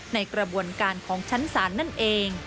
ในกระบวนการของชั้นศาลนั่นเอง